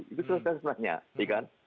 itu sudah sebenarnya di kan